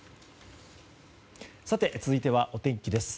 続いてはお天気です。